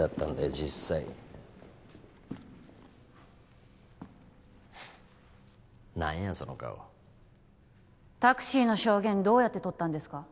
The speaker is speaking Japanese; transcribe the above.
実際何やその顔タクシーの証言どうやって取ったんですか？